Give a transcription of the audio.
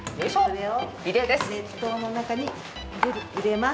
熱湯の中に入れます。